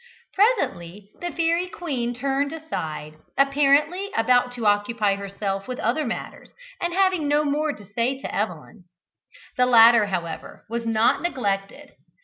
Presently the fairy queen turned aside, apparently about to occupy herself with other matters, and having no more to say to Evelyn. The latter, however, was not neglected.